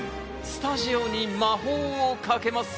スタジオに魔法をかけます。